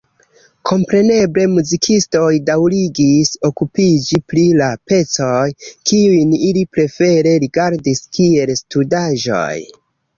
Kompreneble muzikistoj daŭrigis okupiĝi pri la pecoj, kiujn ili prefere rigardis kiel studaĵoj.